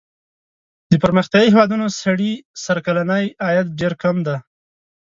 د پرمختیايي هېوادونو سړي سر کلنی عاید ډېر کم دی.